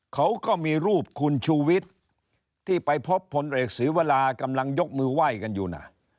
เขาก็มีรูปคุณชูวิทย์ที่ไปพบพลเอกศรีวรากำลังยกมือไหว้กันอยู่นะ